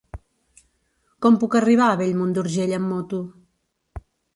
Com puc arribar a Bellmunt d'Urgell amb moto?